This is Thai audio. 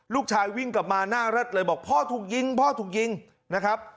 ลูกชายวิ่งกลับมาหน้ารถเลยบอกพ่อถูกยิงพ่อถูกยิงนะครับ